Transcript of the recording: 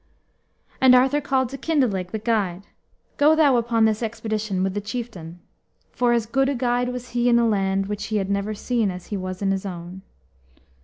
And Arthur called to Kyndelig, the guide, "Go thou upon this expedition with the chieftain." For as good a guide was he in a land which he had never seen as he was in his own.